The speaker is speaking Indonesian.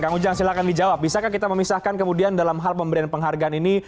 kang ujang silahkan dijawab bisakah kita memisahkan kemudian dalam hal pemberian penghargaan ini